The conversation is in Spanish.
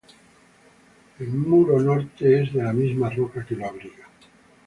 El muro norte es de la misma roca que lo abriga.